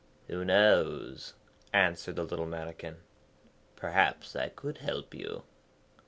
'Who knows,' answered the little Mannikin. 'Perhaps I could help you.'